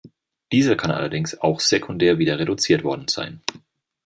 Dieser kann allerdings auch sekundär wieder reduziert worden sein.